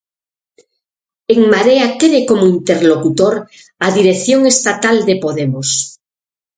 En Marea quere como interlocutor a dirección estatal de Podemos.